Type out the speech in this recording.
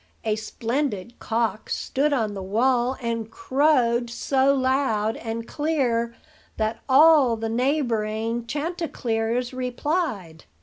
A splendid cock stood on the wall, and crowed so loud and clear that all the neighboring chanticleers replied.